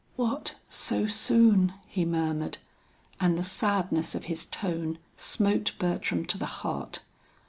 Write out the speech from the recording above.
"What, so soon!" he murmured, and the sadness of his tone smote Bertram to the heart.